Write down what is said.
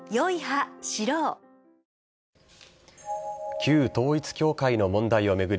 旧統一教会の問題を巡り